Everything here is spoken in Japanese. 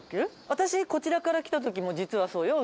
私こちらから来た時も実はそうよ。